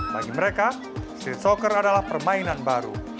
bagi mereka street soccer adalah permainan baru